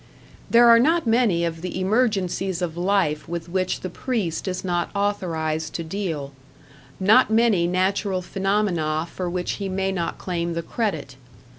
There are not many of the emergencies of life with which the priest is not authorized to deal; not many natural phenomena for which he may not claim the credit.